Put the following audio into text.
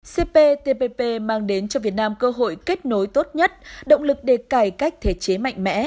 cptpp mang đến cho việt nam cơ hội kết nối tốt nhất động lực để cải cách thể chế mạnh mẽ